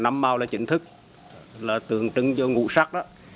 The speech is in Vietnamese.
năm màu là chính thức là tưởng trưng cho ngũ sắc